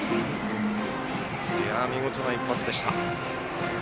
見事な一発でした。